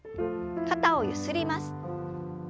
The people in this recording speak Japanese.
肩をゆすります。